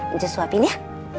inci suapin ya